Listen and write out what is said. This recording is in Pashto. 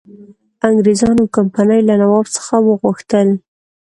انګرېزانو کمپنی له نواب څخه وغوښتل.